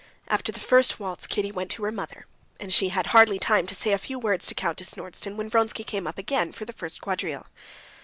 After the first waltz Kitty went to her mother, and she had hardly time to say a few words to Countess Nordston when Vronsky came up again for the first quadrille.